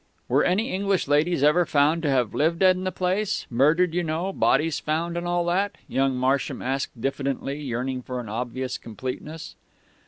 "Were any English ladies ever found to have lived in the place murdered, you know bodies found and all that?" young Marsham asked diffidently, yearning for an obvious completeness.